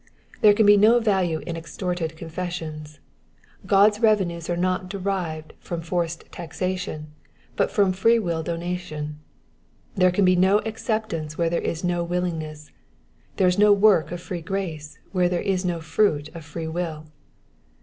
There can be no value in extorted confessions : God's revenues are not derived from forced taxation, but from freewill donation. There can be no acceptance where there is no willing ness ; there is no work of free grace where there is no fruit of free will.